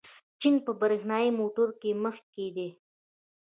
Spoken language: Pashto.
چین په برېښنايي موټرو کې مخکښ دی.